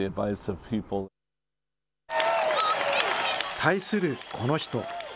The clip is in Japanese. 対するこの人。